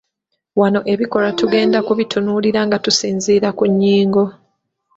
Wano ebikolwa tugenda kubitunuulira nga tusinziira ku nnyingo.